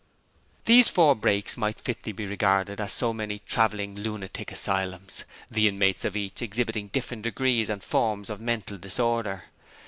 These four brakes might fitly be regarded as so many travelling lunatic asylums, the inmates of each exhibiting different degrees and forms of mental disorder.